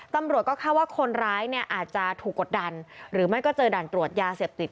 ตำรวจก็คาดว่าคนร้ายเนี่ยอาจจะถูกกดดันหรือไม่ก็เจอด่านตรวจยาเสพติด